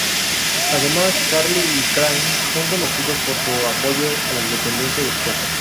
Además, Charlie y Craig son conocidos por su apoyo a la independencia de Escocia.